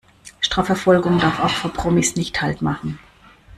Strafverfolgung darf auch vor Promis nicht Halt machen.